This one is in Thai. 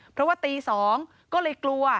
เพราะว่าตี๒ก็เลยกลัว